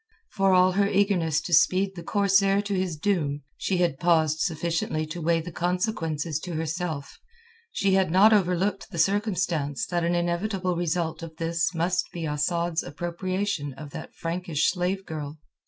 For all her eagerness to speed the corsair to his doom, she had paused sufficiently to weigh the consequences to herself; she had not overlooked the circumstance that an inevitable result of this must be Asad's appropriation of that Frankish slave girl.